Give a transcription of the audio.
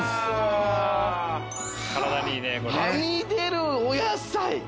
はみ出るお野菜。